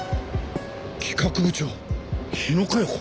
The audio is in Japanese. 企画部長日野佳代子？